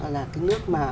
là cái nước mà